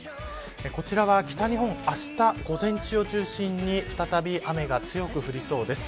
こちらが北日本、あした午前中を中心に再び雨が強く降りそうです。